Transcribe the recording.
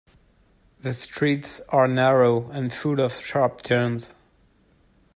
The streets are narrow and full of sharp turns.